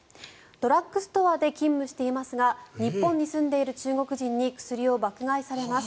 ドラッグストアで勤務していますが日本に住んでいる中国人に薬を爆買いされます。